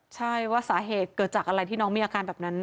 ใช่ว่าสาเหตุเกิดจากอะไรที่น้องมีอาการแบบนั้น